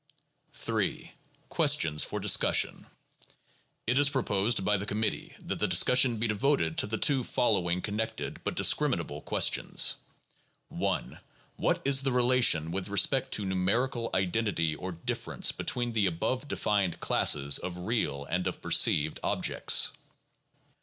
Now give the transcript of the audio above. III. Questions for Discussion It is proposed by the committee that the discussion be devoted to the two following connected but discriminable questions : 1. What is the relation with respect to numerical identity or difference between the above defined classes of real and of perceived objects